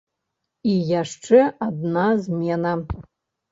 І яшчэ адна змена.